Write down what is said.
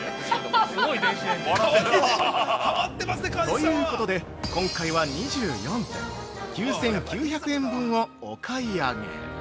◆ということで、今回は２４点、９９００円分をお買い上げ！